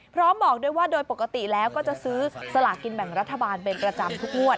บอกด้วยว่าโดยปกติแล้วก็จะซื้อสลากินแบ่งรัฐบาลเป็นประจำทุกงวด